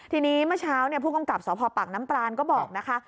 ทีนี้เมื่อเช้าผู้กำกับสพปากน้ำปลานก็บอกนะคะ